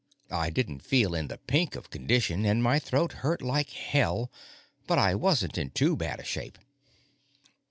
I didn't feel in the pink of condition, and my throat hurt like hell, but I wasn't in too bad a shape.